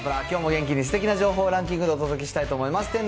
きょうも元気にすてきな情報をランキングでお届けしたいと思います。